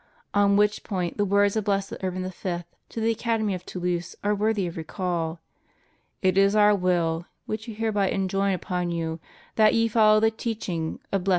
On which point the words of Blessed Urban V. to the Academy of Toulouse are worthy of recall: "It is our will, which we hereby enjoin upon you, that ye follow the teaching of Blessed ' Bulla In Ordine.